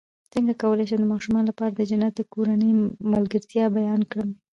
څنګه کولی شم د ماشومانو لپاره د جنت د کورنۍ ملګرتیا بیان کړم